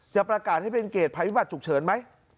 จะประกาศให้เป็นเกตภัยพิบัตรฉุกเฉินไหม